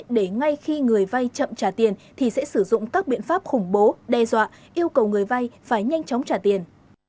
để ngay khi người vay chậm trả tiền thì sẽ sử dụng các biện pháp khủng bố đe dọa yêu cầu người vay phải nhanh chóng trả tiền